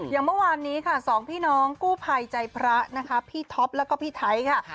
อย่างเมื่อวานนี้ค่ะสองพี่น้องกู้ภัยใจพระนะคะพี่ท็อปแล้วก็พี่ไทยค่ะ